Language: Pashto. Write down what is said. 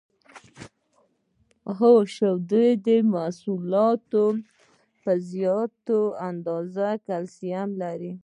هو د شیدو محصولات په زیاته اندازه کلسیم لري